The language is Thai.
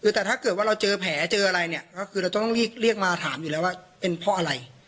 คือแต่ถ้าเกิดว่าเราเจอแผลเจออะไรเนี่ยก็คือเราต้องเรียกมาถามอยู่แล้วว่าเป็นเพราะอะไร